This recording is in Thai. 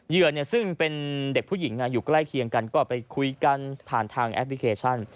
เหยื่อซึ่งเป็นเด็กผู้หญิงอยู่ใกล้เคียงกันก็ไปคุยกันผ่านทางแอปพลิเคชัน